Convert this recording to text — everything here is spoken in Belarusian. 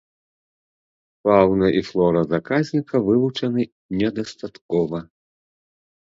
Фаўна і флора заказніка вывучаны недастаткова.